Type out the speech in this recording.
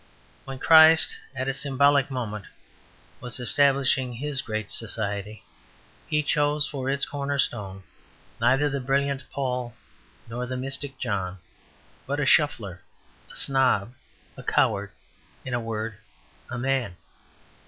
When Christ at a symbolic moment was establishing His great society, He chose for its corner stone neither the brilliant Paul nor the mystic John, but a shuffler, a snob a coward in a word, a man.